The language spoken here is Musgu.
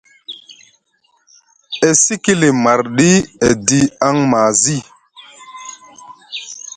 E cikili marɗi edi aŋ mazi.